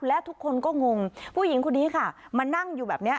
และทุกคนก็งงผู้หญิงคนนี้ค่ะมานั่งอยู่แบบนี้